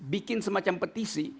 bikin semacam petisi